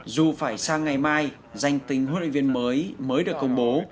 dù phải sang ngày mai danh tình huấn luyện viên mới mới được công bố